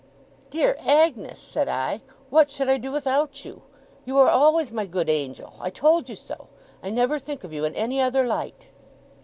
'Dear Agnes!' said I. 'What should I do without you! You are always my good angel. I told you so. I never think of you in any other light.